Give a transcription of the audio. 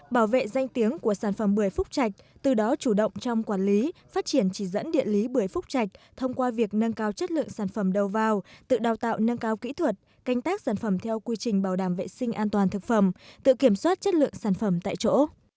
bảo vệ danh tiếng của sản phẩm bưởi phúc trạch từ đó chủ động trong quản lý phát triển chỉ dẫn địa lý bưởi phúc trạch thông qua việc nâng cao chất lượng sản phẩm đầu vào tự đào tạo nâng cao kỹ thuật canh tác sản phẩm theo quy trình bảo đảm vệ sinh an toàn thực phẩm tự kiểm soát chất lượng sản phẩm tại chỗ